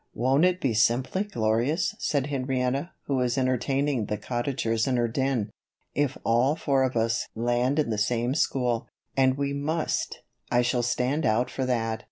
"Won't it be simply glorious," said Henrietta, who was entertaining the Cottagers in her den, "if all four of us land in the same school; and we must I shall stand out for that.